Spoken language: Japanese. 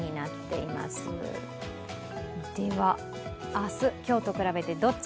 明日今日と比べてどっち？